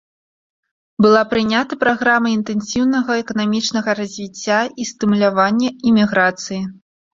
Была прынята праграма інтэнсіўнага эканамічнага развіцця і стымулявання іміграцыі.